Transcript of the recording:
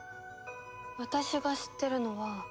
私が知ってるのは。